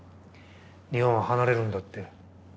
日本を離れるんだって。